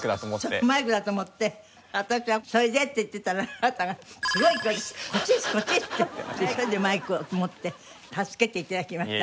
そうマイクだと思って私は「それで」って言ってたらあなたがすごい勢いで「こっちですこっち」ってマイクを持って助けて頂きました。